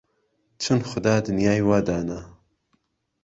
چون خودا دنیای وا دانا